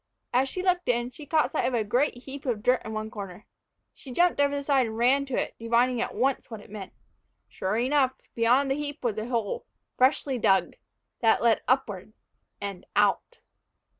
As she looked in, she caught sight of a great heap of dirt in one corner. She jumped over the side and ran to it, divining at once what it meant. Sure enough, beyond the heap was a hole, freshly dug, that led upward and out!